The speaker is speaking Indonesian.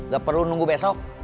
gak perlu nunggu besok